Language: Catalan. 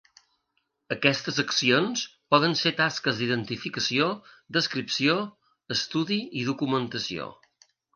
Aquestes accions poden ser tasques d’identificació, descripció, estudi i documentació.